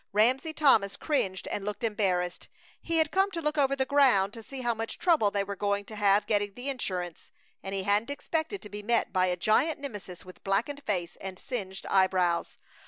Ramsey Thomas cringed and looked embarrassed. He had come to look over the ground to see how much trouble they were going to have getting the insurance, and he hadn't expected to be met by a giant Nemesis with blackened face and singed eyebrows.